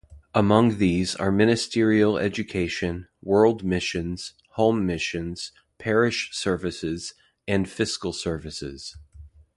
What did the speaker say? Among these are ministerial education, world missions, home missions, parish services, and fiscal services.